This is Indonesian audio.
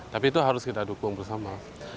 tapi itu harus kita dukung bersama